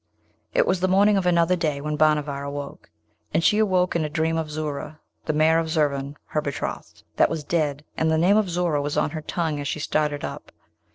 It was the morning of another day when Bhanavar awoke; and she awoke in a dream of Zoora, the mare of Zurvan her betrothed, that was dead, and the name of Zoora was on her tongue as she started up.